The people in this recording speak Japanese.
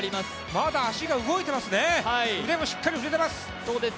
まだ足が動いてますね、腕もしっかり振れています。